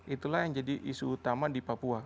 itulah yang jadi isu utama di papua